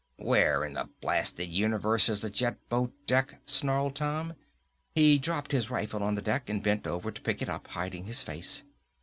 "Where in the blasted universe is the jet boat deck?" snarled Tom. He dropped his rifle on the deck and bent over to pick it up, hiding his face.